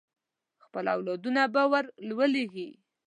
خپل اولادونه به ور ولېږي.